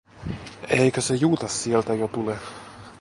Eikö se Juutas sieltä jo tule?